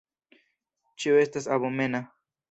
Ĉio estas abomena.